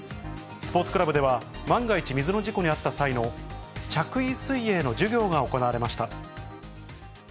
スポーツクラブでは、万が一、水の事故に遭った際の着衣水泳の授業が行われました。